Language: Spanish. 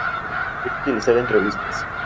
Puede utilizar entrevistas.